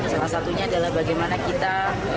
salah satunya adalah bagaimana kita